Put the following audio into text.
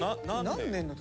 何年の時？